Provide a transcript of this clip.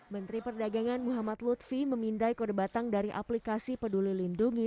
menteri perdagangan muhammad lutfi memindai kode batang dari aplikasi peduli lindungi